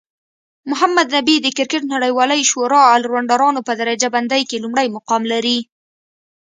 محمد نبي د کرکټ نړیوالی شورا الرونډرانو په درجه بندۍ کې لومړی مقام لري